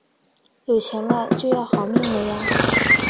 有钱了就要好命了啊